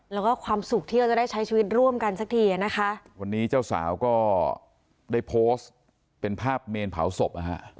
แล้วก็ความสุขที่เราจะได้ใช้ชีวิตร่วมกันสักทีอ่ะนะคะวันนี้เจ้าสาวก็ได้โพสต์เป็นภาพเมนเผาศพนะฮะ